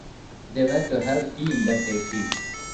They were to have tea in the hayfield.